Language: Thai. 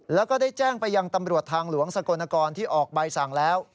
แล้วก็ได้แจ้งไปยังตำรวจทางหลวงสกลนกรที่ออกใบสั่งแล้ว